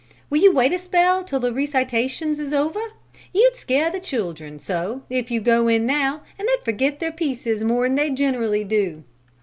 Will you wait a spell till the recitations is over? You'd scare the children so, if you go in now, that they'd forget their pieces more'n they gen'ally do."